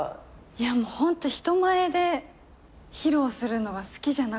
いやもうホント人前で披露するのが好きじゃなくて。